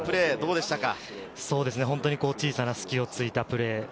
小さな隙をついたプレー。